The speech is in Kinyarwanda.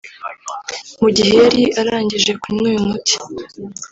Mu gihe yari arangije kunywa uyu muti